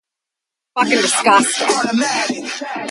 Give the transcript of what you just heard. Maiduan is often considered in various Penutian phylum proposals.